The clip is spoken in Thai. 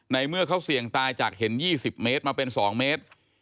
เมื่อเขาเสี่ยงตายจากเห็น๒๐เมตรมาเป็น๒เมตร